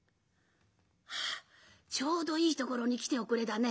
「あっちょうどいいところに来ておくれだね。